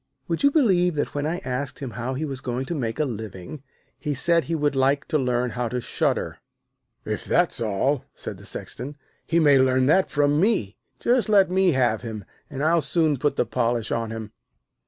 'Would you believe that when I asked him how he was going to make his living, he said he would like to learn how to shudder?' 'If that's all,' said the Sexton, 'he may learn that from me. Just let me have him, and I'll soon put the polish on him.'